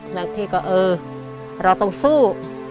บางทีก็เออเราต้องสู้